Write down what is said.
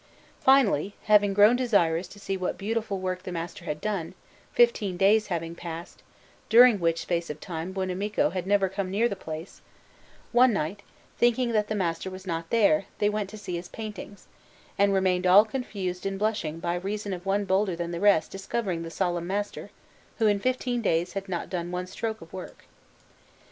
Finally, having grown desirous to see what beautiful work the master had done, fifteen days having passed, during which space of time Buonamico had never come near the place, one night, thinking that the master was not there, they went to see his paintings, and remained all confused and blushing by reason of one bolder than the rest discovering the solemn master, who in fifteen days had done not one stroke of work.